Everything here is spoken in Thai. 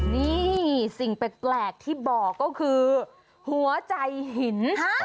นี่สิ่งแปลกที่บอกก็คือหัวใจหิน